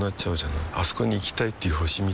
あそこに行きたいっていう星みたいなもんでさ